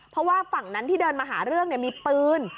เพราะว่าฝั่งนั้นที่เดินมาหาเรื่องมีปืน